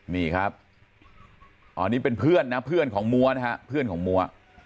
นี่ครับอันนี้เป็นเพื่อนนะเพื่อนของมัวนะฮะเพื่อนของมัว